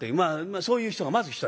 そういう人がまず一人。